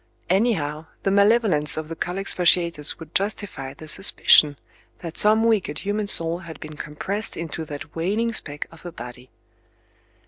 Anyhow the malevolence of the Culex fasciatus would justify the suspicion that some wicked human soul had been compressed into that wailing speck of a body....